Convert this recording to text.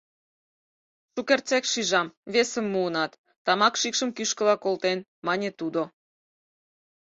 Шукертсек шижам: весым муынат, — тамак шикшым кӱшкыла колтен, мане тудо.